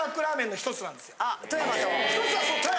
１つはそう富山。